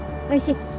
おいしい？